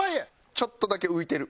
ちょっとだけ浮いてる。